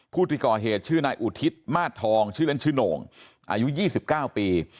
ผู้ที่ก่อเหตุชื่อนายอุทิศมาสทองชื่อเล่นชื่อโหน่งอายุ๒๙ปี